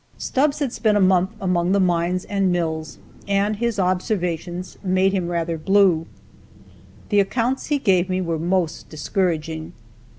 Stubbs had spent a month among the mines and mills, and his observations made him rather blue. The accounts he gave me were most discouraging.